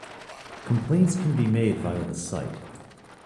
Complaints can be made via the site.